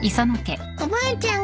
おばあちゃん